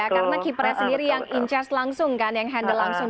karena keepernya sendiri yang in charge langsung kan yang handle langsung